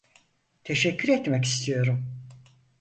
Teşekkür etmek istiyorum.